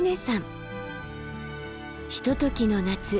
ひとときの夏